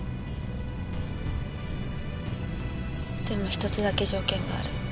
でも一つだけ条件がある。